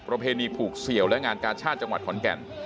เพณีผูกเสี่ยวและงานกาชาติจังหวัดขอนแก่น